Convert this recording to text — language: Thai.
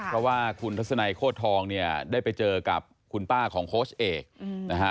เพราะว่าคุณทัศนัยโคตรทองเนี่ยได้ไปเจอกับคุณป้าของโค้ชเอกนะฮะ